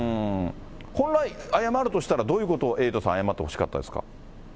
本来謝るとしたら、どういうことをエイトさん、謝ってほしかったですか。